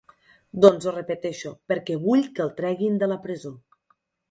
Doncs ho repeteixo, perquè vull que el treguin de la presó.